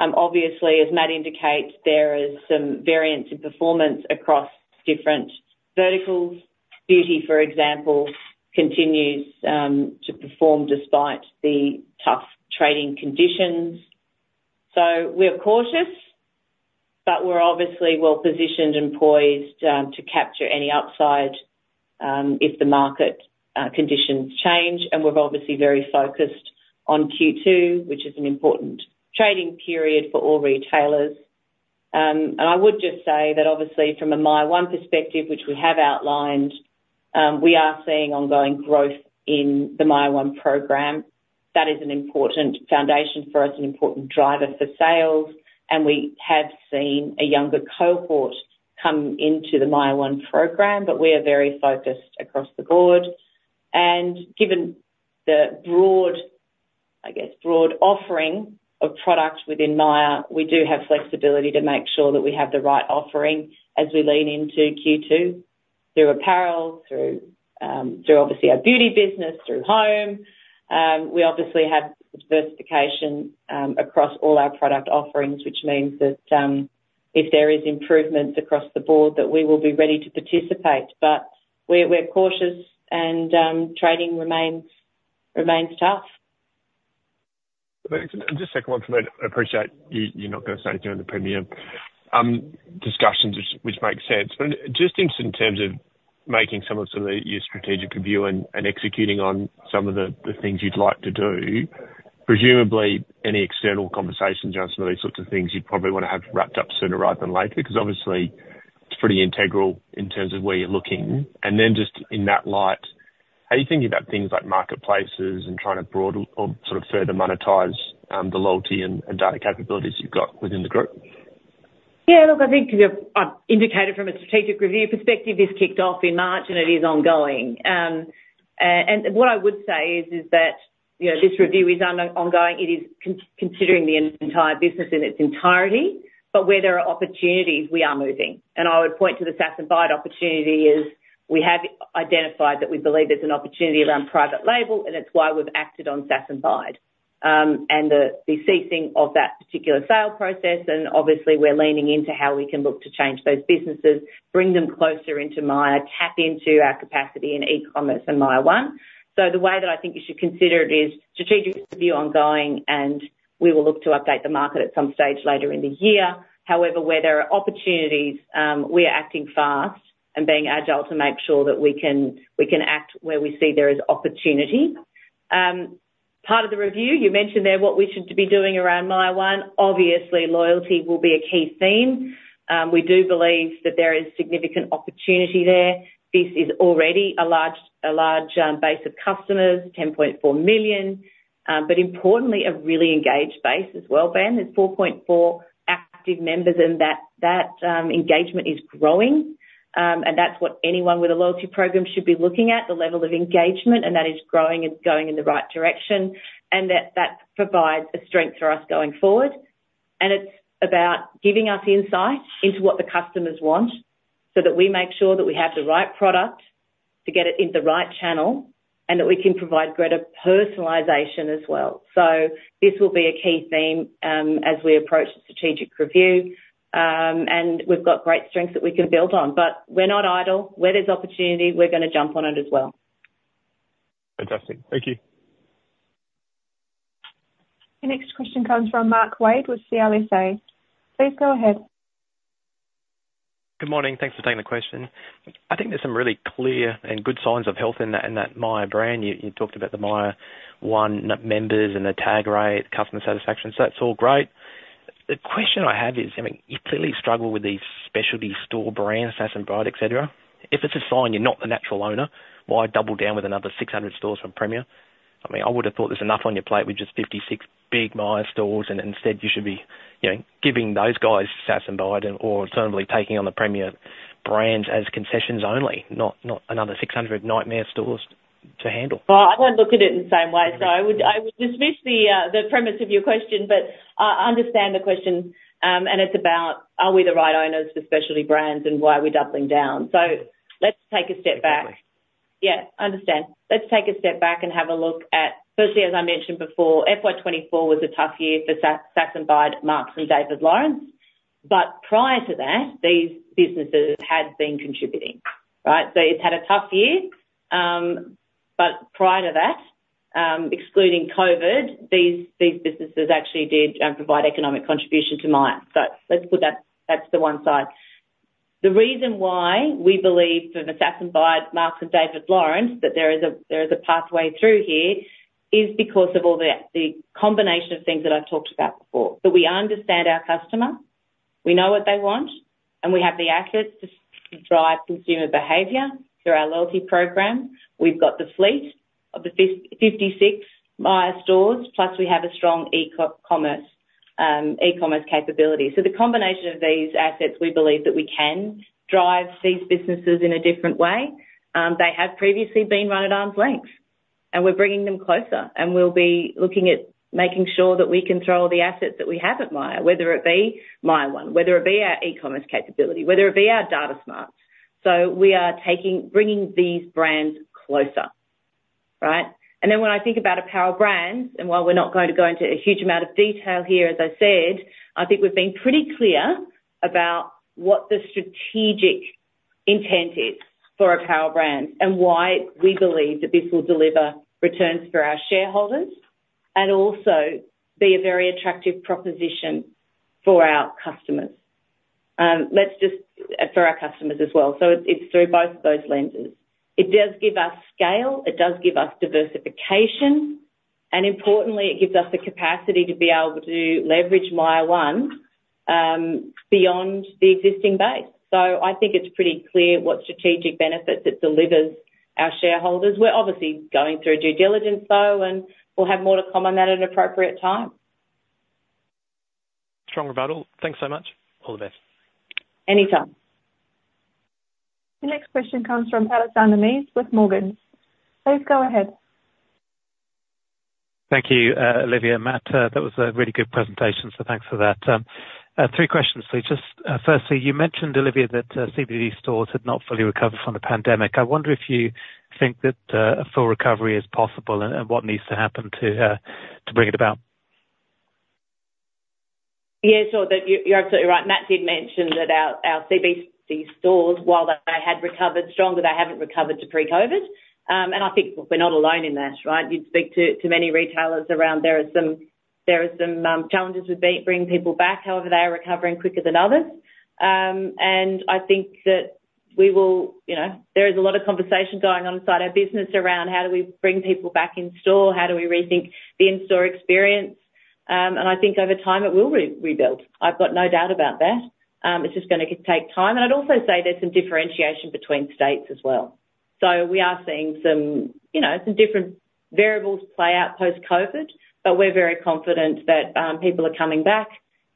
Obviously, as Matt indicates, there is some variance in performance across different verticals. Beauty, for example, continues to perform despite the tough trading conditions. So we're cautious, but we're obviously well-positioned and poised to capture any upside if the market conditions change, and we're obviously very focused on Q2, which is an important trading period for all retailers. And I would just say that obviously from a Myer One perspective, which we have outlined, we are seeing ongoing growth in the Myer One program. That is an important foundation for us, an important driver for sales, and we have seen a younger cohort come into the Myer One program. But we are very focused across the board, and given the broad, I guess, broad offering of products within Myer, we do have flexibility to make sure that we have the right offering as we lean into Q2, through apparel, through obviously our beauty business, through home. We obviously have diversification across all our product offerings, which means that if there is improvements across the board, that we will be ready to participate. But we're cautious and trading remains tough. Just a second one for me. I appreciate you, you're not gonna say during the Premier discussions, which makes sense. But just in terms of making some of your strategic review and executing on some of the things you'd like to do, presumably any external conversations around some of these sorts of things, you'd probably wanna have wrapped up sooner rather than later? Because obviously, it's pretty integral in terms of where you're looking. And then just in that light, how are you thinking about things like marketplaces and trying to broaden or sort of further monetize the loyalty and data capabilities you've got within the group? Yeah, look, I think as I've indicated from a strategic review perspective, this kicked off in March, and it is ongoing. And what I would say is that, you know, this review is ongoing. It is considering the entire business in its entirety, but where there are opportunities, we are moving. And I would point to the Sass & Bide opportunity, is we have identified that we believe there's an opportunity around private label, and it's why we've acted on Sass & Bide. And the ceasing of that particular sale process, and obviously we're leaning into how we can look to change those businesses, bring them closer into Myer, tap into our capacity in e-commerce and Myer One. So the way that I think you should consider it is strategic review ongoing, and we will look to update the market at some stage later in the year. However, where there are opportunities, we are acting fast and being agile to make sure that we can act where we see there is opportunity. Part of the review, you mentioned there what we should be doing around Myer One. Obviously, loyalty will be a key theme. We do believe that there is significant opportunity there. This is already a large base of customers, 10.4 million, but importantly, a really engaged base as well, Ben. There's 4.4 active members, and that engagement is growing. And that's what anyone with a loyalty program should be looking at: the level of engagement, and that is growing and going in the right direction, and that provides a strength for us going forward, and it's about giving us insight into what the customers want, so that we make sure that we have the right product, to get it in the right channel, and that we can provide greater personalization as well. So this will be a key theme as we approach the strategic review, and we've got great strengths that we can build on, but we're not idle. Where there's opportunity, we're gonna jump on it as well. Fantastic. Thank you. The next question comes from Mark Wade, with CLSA. Please go ahead. Good morning. Thanks for taking the question. I think there's some really clear and good signs of health in that Myer brand. You talked about the Myer One members and the tag rate, customer satisfaction, so that's all great. The question I have is, I mean, you clearly struggle with these specialty store brands, Sass & Bide, et cetera. If it's a sign you're not the natural owner, why double down with another 600 stores from Premier?... I mean, I would have thought there's enough on your plate with just 56 big Myer stores, and instead you should be, you know, giving those guys Sass & Bide or certainly taking on the premier brands as concessions only, not another 600 nightmare stores to handle. I don't look at it in the same way. I would dismiss the premise of your question, but I understand the question, and it's about are we the right owners for specialty brands, and why are we doubling down? Let's take a step back. Exactly. Yeah, understand. Let's take a step back and have a look at, firstly, as I mentioned before, FY 2024 was a tough year for Sass & Bide, Marcs and David Lawrence, but prior to that, these businesses had been contributing, right? So it's had a tough year, but prior to that, excluding COVID, these businesses actually did provide economic contribution to Myer. So let's put that to one side. The reason why we believe that with Sass & Bide, Marcs and David Lawrence, that there is a pathway through here, is because of all the combination of things that I've talked about before. That we understand our customer, we know what they want, and we have the assets to drive consumer behavior through our loyalty program. We've got the fleet of the fifty-six Myer stores, plus we have a strong e-commerce capability. So the combination of these assets, we believe that we can drive these businesses in a different way. They have previously been run at arm's length, and we're bringing them closer, and we'll be looking at making sure that we can throw all the assets that we have at Myer, whether it be Myer One, whether it be our e-commerce capability, whether it be our data smarts. So we are bringing these brands closer, right? And then when I think about apparel brands, and while we're not going to go into a huge amount of detail here, as I said, I think we've been pretty clear about what the strategic intent is for apparel brands, and why we believe that this will deliver returns for our shareholders, and also be a very attractive proposition for our customers. For our customers as well. So it's through both of those lenses. It does give us scale, it does give us diversification, and importantly, it gives us the capacity to be able to leverage Myer One beyond the existing base. So I think it's pretty clear what strategic benefits it delivers our shareholders. We're obviously going through a due diligence, though, and we'll have more to comment on that at an appropriate time. Strong rebuttal. Thanks so much. All the best. Anytime. The next question comes from [UNINTELLIGIBLE] with Morgan. Please go ahead. Thank you, Olivia and Matt. That was a really good presentation, so thanks for that. Three questions for you. Just, firstly, you mentioned, Olivia, that CBD stores had not fully recovered from the pandemic. I wonder if you think that a full recovery is possible and what needs to happen to bring it about? Yeah, sure. That you're absolutely right. Matt did mention that our CBD stores, while they had recovered stronger, they haven't recovered to pre-COVID. And I think we're not alone in that, right? You'd speak to many retailers around. There are some challenges with bringing people back, however, they are recovering quicker than others. And I think that we will. You know, there is a lot of conversation going on inside our business around how do we bring people back in store? How do we rethink the in-store experience? And I think over time it will rebuild. I've got no doubt about that. It's just gonna take time. And I'd also say there's some differentiation between states as well. We are seeing some, you know, some different variables play out post-COVID, but we're very confident that people are coming back,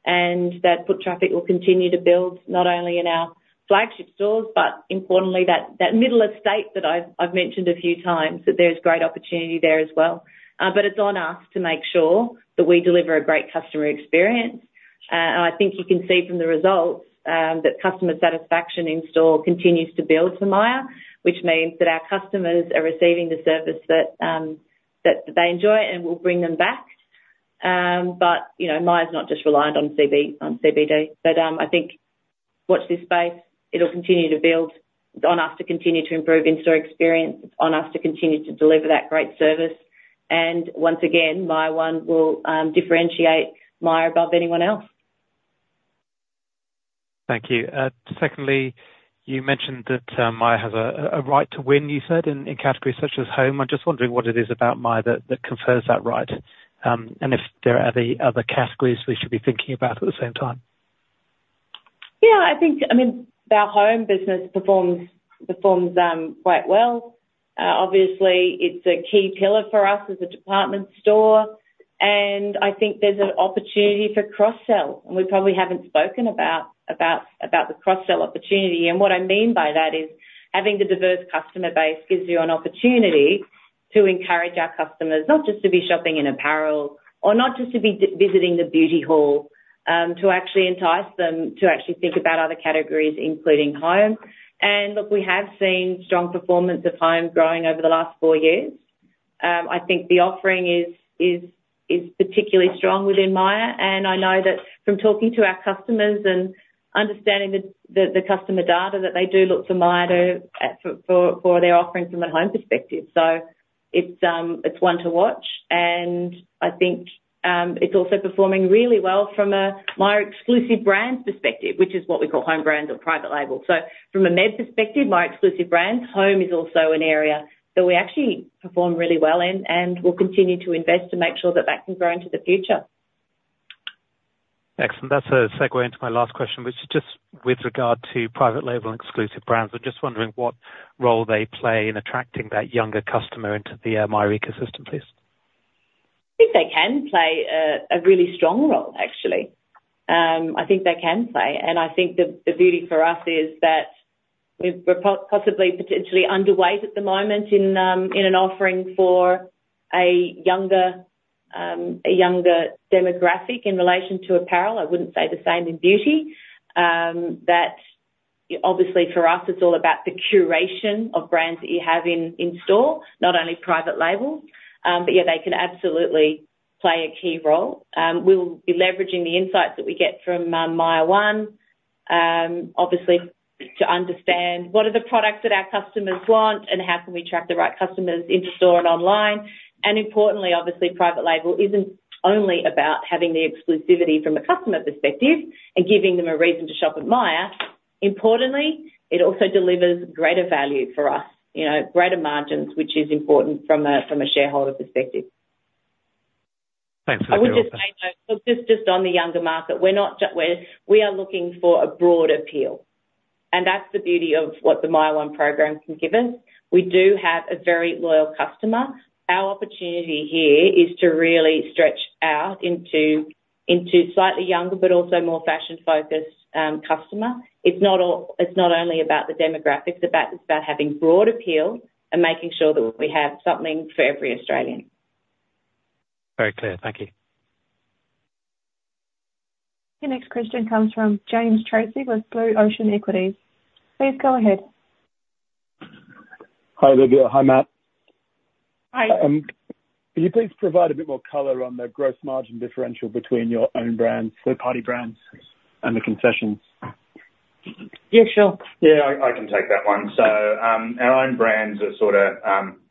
and that foot traffic will continue to build, not only in our flagship stores, but importantly, that middle estate that I've mentioned a few times, that there's great opportunity there as well. But it's on us to make sure that we deliver a great customer experience. And I think you can see from the results that customer satisfaction in-store continues to build for Myer, which means that our customers are receiving the service that they enjoy and will bring them back. But, you know, Myer's not just reliant on CB, on CBD. But I think watch this space, it'll continue to build. It's on us to continue to improve in-store experience. It's on us to continue to deliver that great service, and once again, Myer One will differentiate Myer above anyone else. Thank you. Secondly, you mentioned that Myer has a right to win, you said, in categories such as home. I'm just wondering what it is about Myer that confers that right, and if there are any other categories we should be thinking about at the same time? Yeah, I think, I mean, our home business performs quite well. Obviously, it's a key pillar for us as a department store, and I think there's an opportunity for cross-sell, and we probably haven't spoken about the cross-sell opportunity. And what I mean by that is, having the diverse customer base gives you an opportunity to encourage our customers, not just to be shopping in apparel or not just to be visiting the beauty hall, to actually entice them to actually think about other categories, including home. And look, we have seen strong performance of home growing over the last four years. I think the offering is particularly strong within Myer, and I know that from talking to our customers and understanding the customer data, that they do look to Myer to... For their offerings from a home perspective. So it's one to watch, and I think it's also performing really well from a Myer exclusive brand perspective, which is what we call home brand or private label. So from a home perspective, Myer exclusive brands, home is also an area that we actually perform really well in, and we'll continue to invest to make sure that that can grow into the future.... Excellent. That's a segue into my last question, which is just with regard to private label and exclusive brands. I'm just wondering what role they play in attracting that younger customer into the Myer ecosystem, please? I think they can play a really strong role, actually. I think they can play, and I think the beauty for us is that we're possibly, potentially underweight at the moment in an offering for a younger demographic in relation to apparel. I wouldn't say the same in beauty. That obviously for us, it's all about the curation of brands that you have in store, not only private label, but yeah, they can absolutely play a key role. We'll be leveraging the insights that we get from Myer One, obviously to understand what are the products that our customers want, and how can we track the right customers into store and online. Importantly, obviously, private label isn't only about having the exclusivity from a customer perspective and giving them a reason to shop at Myer. Importantly, it also delivers greater value for us, you know, greater margins, which is important from a, from a shareholder perspective. Thanks for- I would just say, though, just on the younger market, we're not – we are looking for a broad appeal, and that's the beauty of what the Myer One program can give us. We do have a very loyal customer. Our opportunity here is to really stretch out into slightly younger, but also more fashion-focused customer. It's not all... It's not only about the demographics, it's about having broad appeal and making sure that we have something for every Australian. Very clear. Thank you. Your next question comes from James Tracey with Blue Ocean Equity. Please go ahead. Hi, Olivia. Hi, Matt. Hi. Could you please provide a bit more color on the gross margin differential between your own brands, third-party brands, and the concessions? Yeah, sure. Yeah, I can take that one. So, our own brands are sort of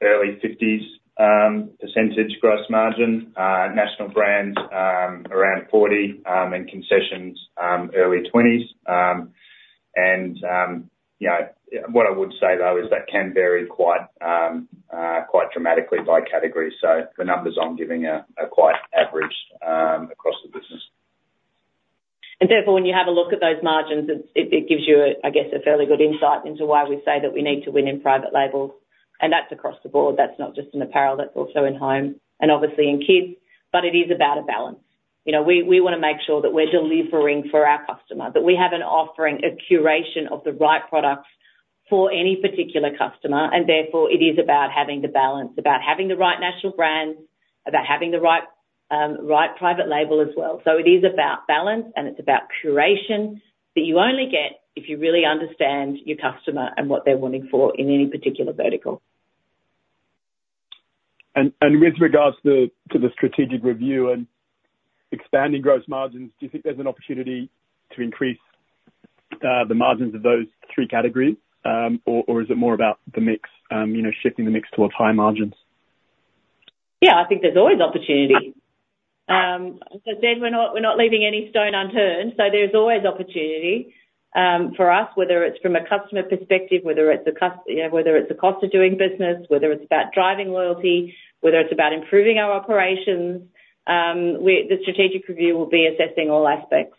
early 50s% gross margin, national brands around 40%, and concessions early 20s%. And you know, what I would say, though, is that can vary quite dramatically by category, so the numbers I'm giving are quite average across the business. Therefore, when you have a look at those margins, it gives you, I guess, a fairly good insight into why we say that we need to win in private label. That's across the board. That's not just in apparel. That's also in home and obviously in kids, but it is about a balance. You know, we wanna make sure that we're delivering for our customer, that we have an offering, a curation of the right products for any particular customer, and therefore, it is about having the balance, about having the right national brands, about having the right private label as well. It is about balance, and it's about curation that you only get if you really understand your customer and what they're wanting for in any particular vertical. With regards to the strategic review and expanding gross margins, do you think there's an opportunity to increase the margins of those three categories? Or is it more about the mix, you know, shifting the mix towards higher margins? Yeah, I think there's always opportunity, so then we're not leaving any stone unturned, so there's always opportunity for us, whether it's from a customer perspective, you know, whether it's a cost of doing business, whether it's about driving loyalty, whether it's about improving our operations. The strategic review will be assessing all aspects,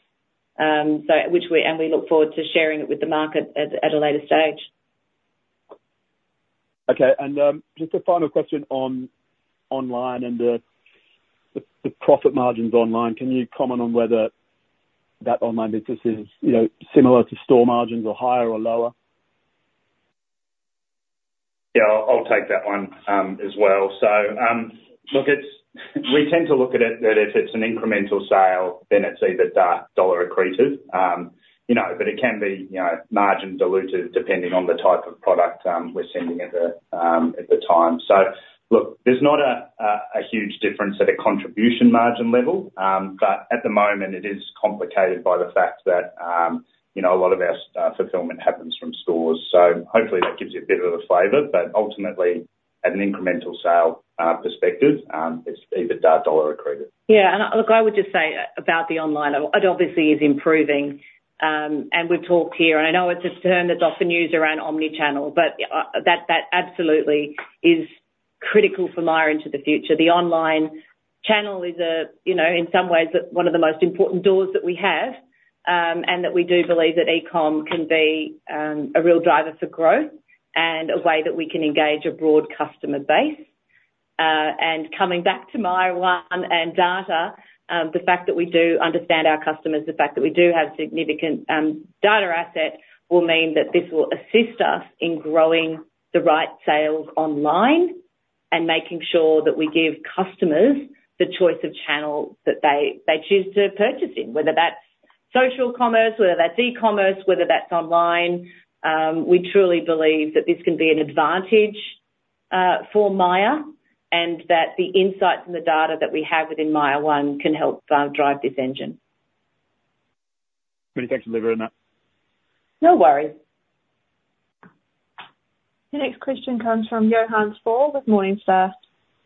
and we look forward to sharing it with the market at a later stage. Okay. And, just a final question on online and the profit margins online. Can you comment on whether that online business is, you know, similar to store margins, or higher, or lower? Yeah, I'll take that one as well. So, look, it's. We tend to look at it that if it's an incremental sale, then it's either dark dollar accretive. You know, but it can be, you know, margin diluted depending on the type of product we're sending at the time. So look, there's not a huge difference at a contribution margin level, but at the moment, it is complicated by the fact that, you know, a lot of our fulfillment happens from stores. So hopefully that gives you a bit of a flavor, but ultimately, at an incremental sale perspective, it's either dark dollar accretive. Yeah. And look, I would just say about the online, it obviously is improving, and we've talked here, and I know it's a term that's often used around omni-channel, but that, that absolutely is critical for Myer into the future. The online channel is a, you know, in some ways, one of the most important doors that we have, and that we do believe that e-com can be, a real driver for growth and a way that we can engage a broad customer base. And coming back to Myer One and data, the fact that we do understand our customers, the fact that we do have significant data assets, will mean that this will assist us in growing the right sales online, and making sure that we give customers the choice of channel that they, they choose to purchase in. Whether that's social commerce, whether that's e-commerce, whether that's online, we truly believe that this can be an advantage for Myer, and that the insights and the data that we have within Myer One can help drive this engine. Many thanks, Olivia, for that. No worries. The next question comes from Johannes Faul with Morningstar.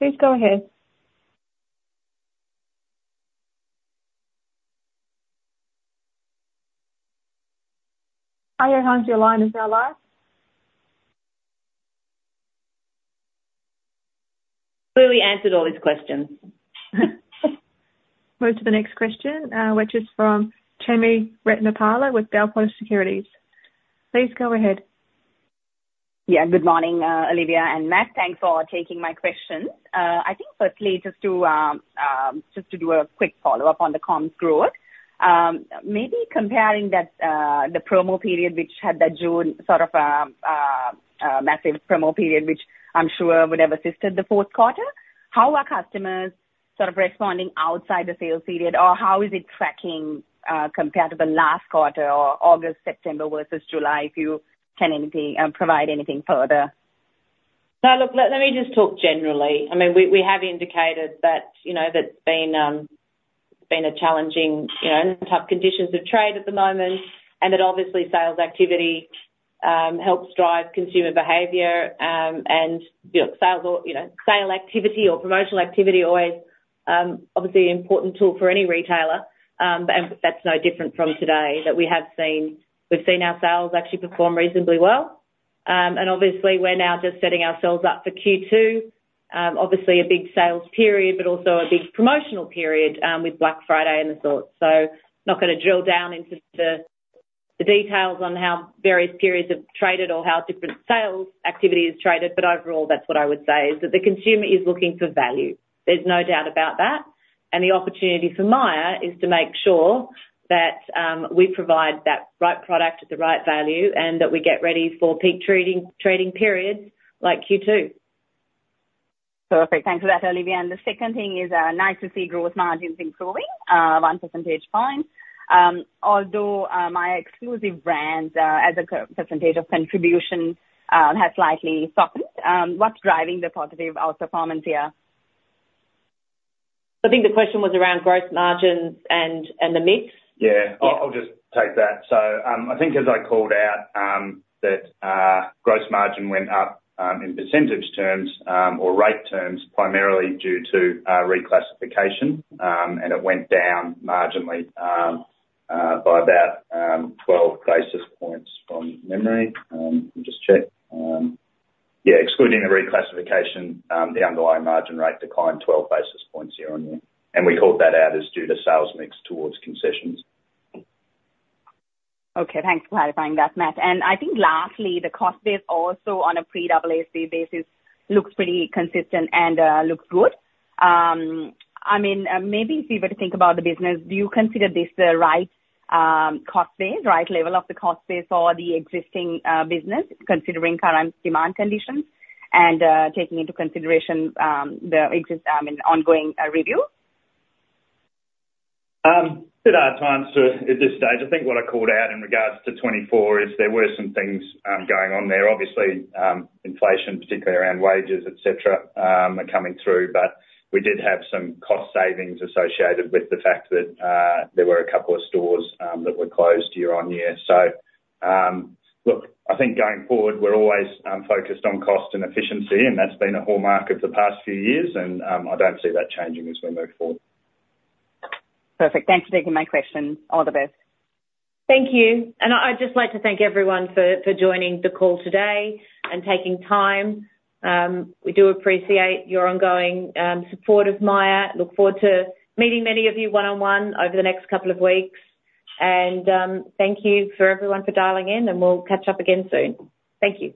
Please go ahead. Hi, Johannes, your line is now live.... Clearly answered all these questions. Move to the next question, which is from Chami Ratnapala with Bell Potter Securities. Please go ahead. Yeah, good morning, Olivia and Matt. Thanks for taking my questions. I think firstly, just to do a quick follow-up on the comps growth. Maybe comparing that, the promo period, which had that June sort of massive promo period, which I'm sure would have assisted the Q4. How are customers sort of responding outside the sales period, or how is it tracking, compared to the last quarter or August, September versus July, if you can provide anything further? Now, look, let me just talk generally. I mean, we have indicated that, you know, that's been a challenging, you know, and tough conditions of trade at the moment, and that obviously, sales activity helps drive consumer behavior. And, you know, sales or, you know, sales activity or promotional activity, always obviously an important tool for any retailer. But, and that's no different from today, that we have seen, we've seen our sales actually perform reasonably well. And obviously we're now just setting ourselves up for Q2. Obviously a big sales period, but also a big promotional period, with Black Friday and the sort. So not gonna drill down into the details on how various periods have traded or how different sales activity is traded, but overall, that's what I would say, is that the consumer is looking for value. There's no doubt about that, and the opportunity for Myer is to make sure that we provide that right product at the right value, and that we get ready for peak trading periods like Q2. Perfect. Thanks for that, Olivia. And the second thing is, nice to see gross margins improving one percentage point. Although Myer Exclusive Brands, as a percentage of contribution, has slightly softened. What's driving the positive outperformance here? I think the question was around gross margins and the mix? Yeah. Yeah. I'll just take that. So, I think as I called out, that gross margin went up in percentage terms or rate terms, primarily due to reclassification. And it went down marginally by about 12 basis points from memory. Let me just check. Yeah, excluding the reclassification, the underlying margin rate declined 12 basis points year-on-year, and we called that out as due to sales mix towards concessions. Okay, thanks for clarifying that, Matt. And I think lastly, the cost base also on a pre-AASB basis looks pretty consistent and looks good. I mean, maybe if you were to think about the business, do you consider this the right cost base, right level of the cost base for the existing business, considering current demand conditions and taking into consideration the existing ongoing review? At this stage, I think what I called out in regards to twenty-four is, there were some things going on there. Obviously, inflation, particularly around wages, et cetera, are coming through, but we did have some cost savings associated with the fact that, there were a couple of stores that were closed year-on-year. So, look, I think going forward, we're always focused on cost and efficiency, and that's been a hallmark of the past few years, and, I don't see that changing as we move forward. Perfect. Thanks for taking my questions. All the best. Thank you. I'd just like to thank everyone for joining the call today and taking time. We do appreciate your ongoing support of Myer. Look forward to meeting many of you one-on-one over the next couple of weeks. And thank you, everyone, for dialing in, and we'll catch up again soon. Thank you.